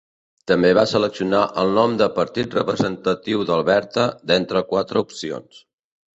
També va seleccionar el nom de Partit Representatiu d'Alberta d'entre quatre opcions.